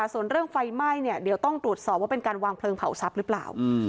ส่วนเรื่องไฟไหม้เนี่ยเดี๋ยวต้องตรวจสอบว่าเป็นการวางเพลิงเผาทรัพย์หรือเปล่า